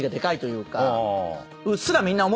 うっすら。